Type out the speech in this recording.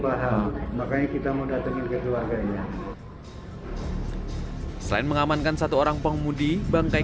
paham makanya kita mau datang ke keluarganya selain mengamankan satu orang pengemudi bangkai